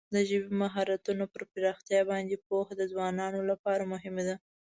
د ژبې د مهارتونو پر پراختیا باندې پوهه د ځوانانو لپاره مهمه ده.